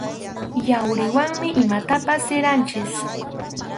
Yawriwanmi imatapas siranchik.